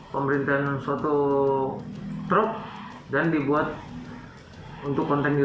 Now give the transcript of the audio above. pemerintahan suatu truk dan dibuat